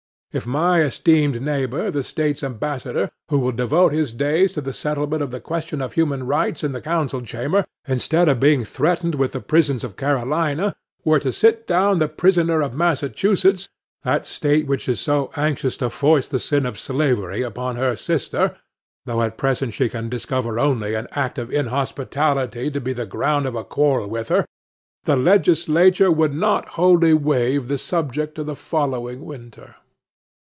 If my esteemed neighbor, the State's ambassador, who will devote his days to the settlement of the question of human rights in the Council Chamber, instead of being threatened with the prisons of Carolina, were to sit down the prisoner of Massachusetts, that State which is so anxious to foist the sin of slavery upon her sister,—though at present she can discover only an act of inhospitality to be the ground of a quarrel with her,—the Legislature would not wholly waive the subject of the following winter.